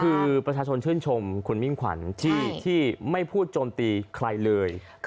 คือประชาชนชื่นชมคุณมิ่งขวัญที่ไม่พูดโจมตีใครเลย